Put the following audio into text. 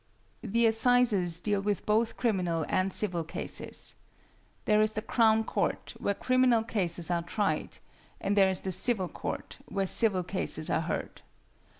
=The Assizes= deal with both criminal and civil cases. There is the Crown Court, where criminal cases are tried, and there is the Civil Court, where civil cases are heard.